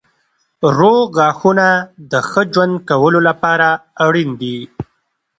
روغ غاښونه د ښه ژوند کولو لپاره اړین دي.